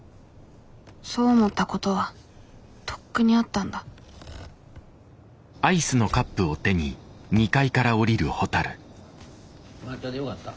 そう思ったことはとっくにあったんだ抹茶でよかった？